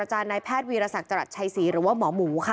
อาจารย์นายแพทย์วิราษักจรัสชัยศรีหรือว่าหมอหมูค่ะ